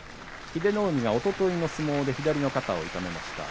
英乃海がおとといの相撲で左の肩を痛めました。